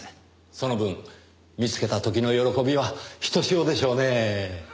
その分見つけた時の喜びはひとしおでしょうねぇ。